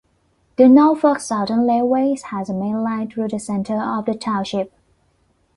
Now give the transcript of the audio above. The Norfolk Southern Railway has a main line through the center of the township.